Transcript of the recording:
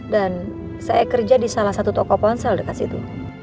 dan saya kerja di salah satu toko ponsel dekat situ